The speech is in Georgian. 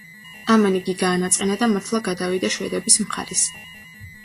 ამან იგი გაანაწყენა და მართლა გადავიდა შვედების მხარეს.